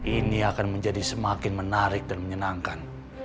ini akan menjadi semakin menarik dan menyenangkan